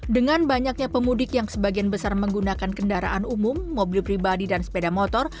dengan banyaknya pemudik yang sebagian besar menggunakan kendaraan umum mobil pribadi dan sepeda motor